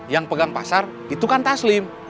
yang pegang pasar itu kan taslim